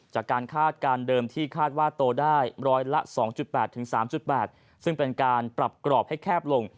คาดการณ์เดิมที่คาดว่าโตได้ร้อยละ๒๘๓๘ซึ่งเป็นการปรับกรอบให้แคบลง